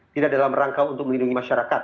tidak dalam rangka untuk melindungi masyarakat